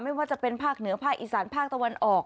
ไม่ว่าจะเป็นภาคเหนือภาคอีสานภาคตะวันออก